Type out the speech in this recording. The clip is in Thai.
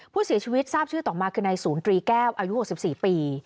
ผู้เสียชีวิตทราบชื่อต่อมาคือนายศูนย์ตรีแก้วอายุ๖๔ปี